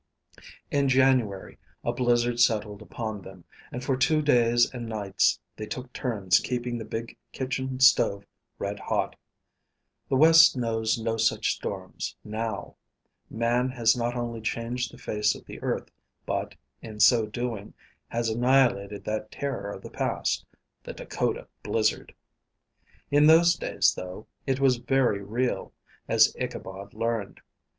In January, a blizzard settled upon them, and for two days and nights they took turns keeping the big kitchen stove red hot. The West knows no such storms, now. Man has not only changed the face of the earth, but, in so doing, has annihilated that terror of the past the Dakota blizzard. In those days, though, it was very real, as Ichabod learned.